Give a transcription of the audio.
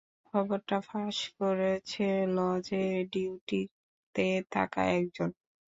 খবরটা ফাঁস করেছে লজে ডিউটিতে থাকা একজন।